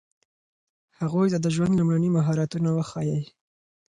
هغوی ته د ژوند لومړني مهارتونه وښایئ.